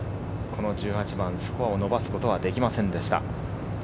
この１８番、スコアを伸ばすことはできませんでした。